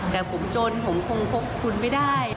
แต่ผมจนผมคงคบคุณไม่ได้